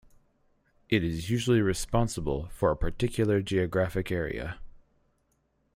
It is usually responsible for a particular geographic area.